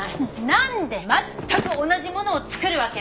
なんで全く同じものを造るわけ！？